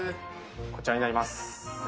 こちらになります。